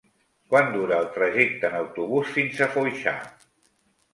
Quant dura el trajecte en autobús fins a Foixà?